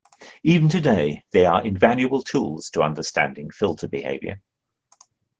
Even today, they are invaluable tools to understanding filter behavior.